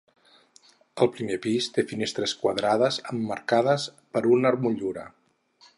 El primer pis té finestres quadrades emmarcades per una motllura.